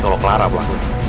kalau clara pelanggan